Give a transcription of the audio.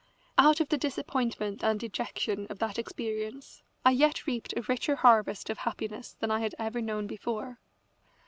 Out of the disappointment and dejection of that experience I yet reaped a richer harvest of happiness than I had ever known before.